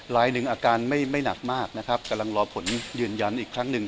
ลายหนึ่งอาการไม่หนักมากนะครับกำลังรอผลยืนยันอีกครั้งหนึ่ง